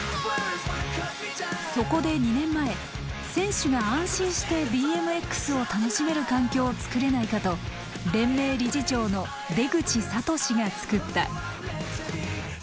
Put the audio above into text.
そこで２年前選手が安心してＢＭＸを楽しめる環境を作れないかと連盟理事長の出口智嗣が作った。